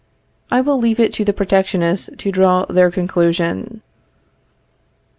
I will leave it to the protectionists to draw their conclusion.